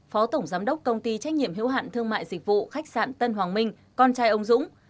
phó tổng giám đốc công ty trách nhiệm hiếu hạn thương mại dịch vụ khách sạn tân hoàng minh con trai ông dũng